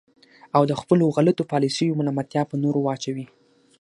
او د خپلو غلطو پالیسیو ملامتیا په نورو واچوي.